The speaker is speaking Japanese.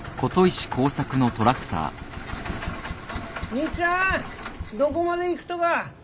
・・・兄ちゃんどこまで行くとか？